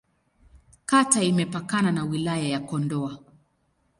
Kata imepakana na Wilaya ya Kondoa.